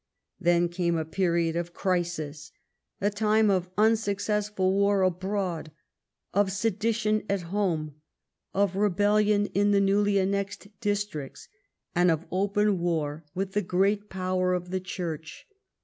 Then came a period of crisis — a time of unsuc cessful war abroad, of sedition at home, of rebellion in the newly annexed districts, and of open war with the great power of the Church.